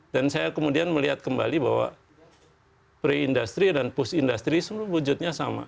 dan saya kemudian melihat kembali bahwa pre industry dan post industry semua wujudnya sama